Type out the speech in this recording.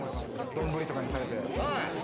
丼とかにされて。